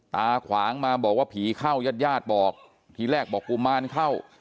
ขวางมาบอกว่าผีเข้าญาติญาติบอกทีแรกบอกกุมารเข้า